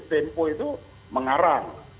tempo itu mengarang